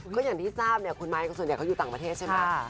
ก็อย่างที่ทราบเนี่ยคุณไม้ส่วนใหญ่เขาอยู่ต่างประเทศใช่ไหม